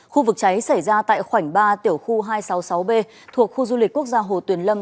khu vực cháy xảy ra tại khoảnh ba tiểu khu hai trăm sáu mươi sáu b thuộc khu du lịch quốc gia hồ tuyền lâm